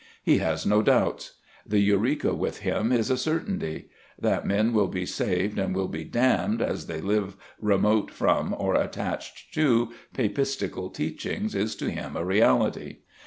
He has no doubts. The Eureka with him is a certainty. That men will be saved and will be damned as they live remote from or attached to papistical teachings is to him a reality.